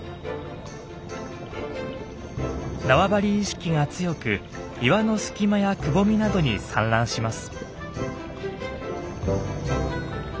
縄張り意識が強く岩の隙間やくぼみなどに産卵します。